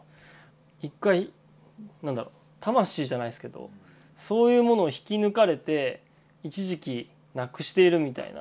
一回何だろ魂じゃないですけどそういうものを引き抜かれて一時期なくしているみたいな。